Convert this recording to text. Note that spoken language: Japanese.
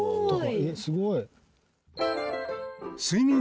えっすごい。